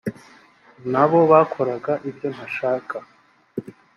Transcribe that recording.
na bo bakoraga ibyo ntashaka